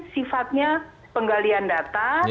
sifatnya penggalian data